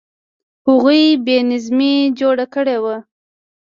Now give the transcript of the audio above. هغوی بې نظمي جوړه کړې وه.